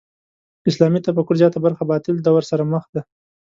اسلامي تفکر زیاته برخه باطل دور سره مخ ده.